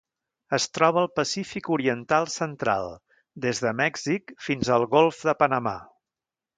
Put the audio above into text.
Es troba al Pacífic oriental central: des de Mèxic fins al Golf de Panamà.